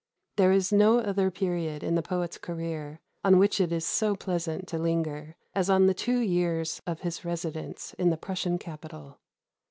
There is no other period in the poet's career on which it is so pleasant to linger as on the two years of his residence in the Prussian capital.